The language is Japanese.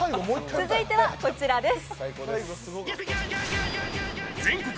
続いてはこちらです。